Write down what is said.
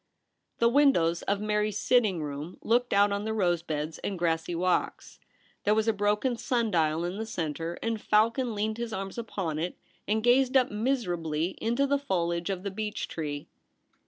The windows of Mary's sitting room looked out on the rose beds and grassy walks. There was a broken sun dial in the centre, and Falcon leaned his arms upon it and gazed up miser ably into the foliage of the beech tree.